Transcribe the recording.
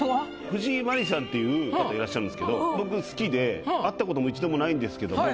藤井マリーさんっていう方いらっしゃるんすけど会った事も一度もないんですけども。